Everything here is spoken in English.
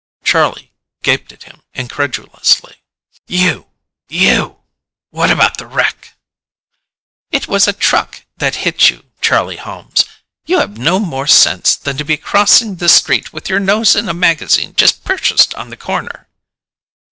Charlie gaped at him incredulously. "You ... you ... what about the wreck?" "It was a truck that hit you, Charles Holmes. You have no more sense than to be crossing the street with your nose in a magazine just purchased on the corner."